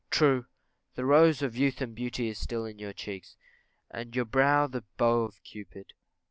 _ True; the rose of youth and beauty is still on your cheeks, and your brow the bow of Cupid.